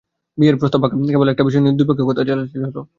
বিয়ের প্রস্তাব পাকা, কেবল একটা বিষয় নিয়ে দুই পক্ষে কিছু কথা-চালাচালি হল।